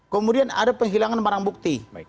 kemudian ada penghilangan barang bukti